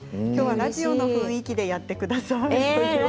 ラジオの雰囲気でやってくださいって。